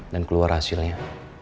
dan keluar hasilnya